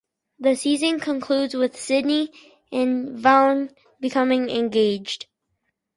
The season concludes with Sydney and Vaughn becoming engaged.